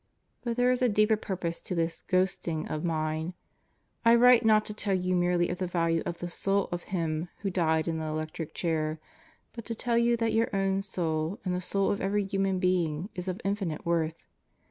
But there is a deeper purpose to this "ghosting" of mine. I write not to tell you merely of the value of the soul of him who died in the electric chair, but to tell you that your own soul and the soul of every human being is of infinite worth.